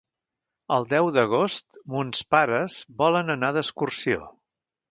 El deu d'agost mons pares volen anar d'excursió.